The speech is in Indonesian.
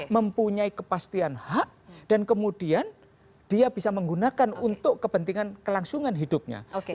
mempunyai kepastian hak dan kemudian dia bisa menggunakan untuk kepentingan kelangsungan hidupnya